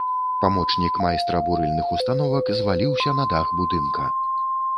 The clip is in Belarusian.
Памочнік майстра бурыльных установак зваліўся на дах будынка.